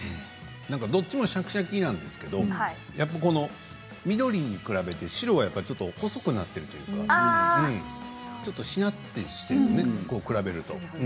どっちもシャキシャキなんですけど緑に比べて白はちょっと細くなっているというかちょっと、しなっとしているね比べると。